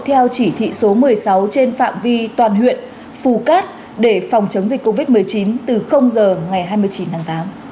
theo chỉ thị số một mươi sáu trên phạm vi toàn huyện phù cát để phòng chống dịch covid một mươi chín từ giờ ngày hai mươi chín tháng tám